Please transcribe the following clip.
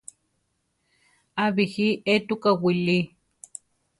A bíji étuka wili.